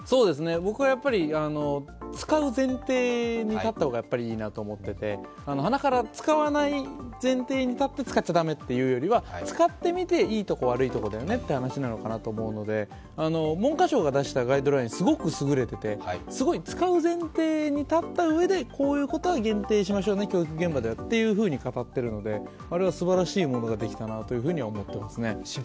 僕はやっぱり使う前提に立った方がいいなと思っていて、はなから使わない前提に立って使っちゃだめというのではなくて使ってみて、いいところ悪いところだよねという話なのかなと思うので文科省が出したガイドラインすごく優れてて、使う前提に立ったうえで、こういうことは限定しましょうね、教育現場ではと語っているのであれはすばらしいものができたなと思っていますね。